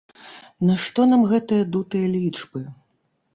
Нашто нам гэтыя дутыя лічбы?